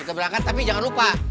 kita berangkat tapi jangan lupa